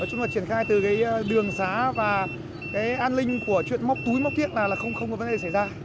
nói chung là triển khai từ cái đường xá và cái an ninh của chuyện móc túi móc tiện là không có vấn đề xảy ra